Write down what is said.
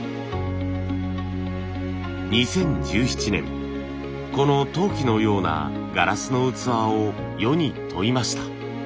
２０１７年この陶器のようなガラスの器を世に問いました。